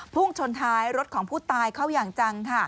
พุ่งชนท้ายรถของผู้ตายเข้าอย่างจัง